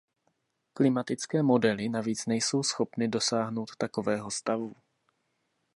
Klimatické modely navíc nejsou schopny dosáhnout takového stavu.